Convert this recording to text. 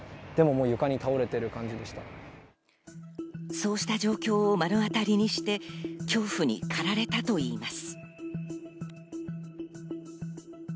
そうした状況を目の当たりにして恐怖にかられたといいます。